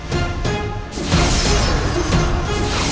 yang dirawat aa pueblo